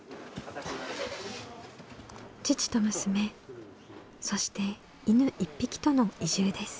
父と娘そして犬１匹との移住です。